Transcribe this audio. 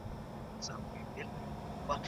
په قلم لیکنه کول د خټو د پخولو په څیر دي.